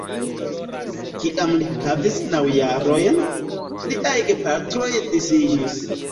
Kiam li havis naŭ jarojn, liaj gepatroj disiĝis.